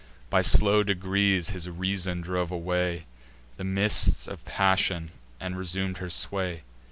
By slow degrees his reason drove away The mists of passion, and resum'd her sway.